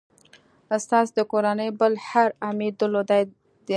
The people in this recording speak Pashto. ستاسي د کورنۍ بل هر امیر درلودلې ده.